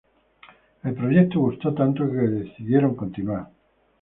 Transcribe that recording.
El proyecto gustó tanto que decidieron continuar.